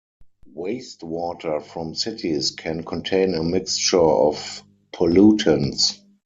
Wastewater from cities can contain a mixture of pollutants.